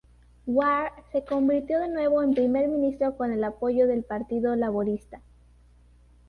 Ward se convirtió de nuevo en Primer ministro con el apoyo del Partido Laborista.